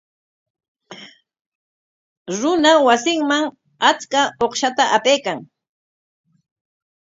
Runa wasinman achka uqshata apaykan.